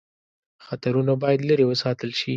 خطرونه باید لیري وساتل شي.